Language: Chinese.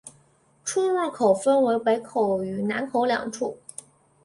出入口分为北口与南口两处。